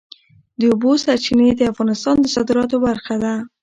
د اوبو سرچینې د افغانستان د صادراتو برخه ده.